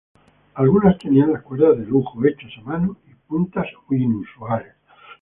Algunas tenían las cuerdas de lujo, hechas a mano y puntas inusuales.